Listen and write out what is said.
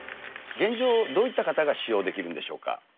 現状、どういった方が使用できるんでしょうか。